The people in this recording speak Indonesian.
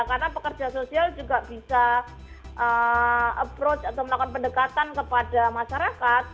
karena pekerja sosial juga bisa approach atau melakukan pendekatan kepada masyarakat